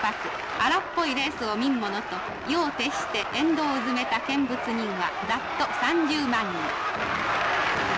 荒っぽいレースを見んものと夜を徹して沿道をうずめた見物人はざっと３０万人。